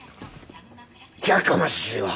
やかましいわ！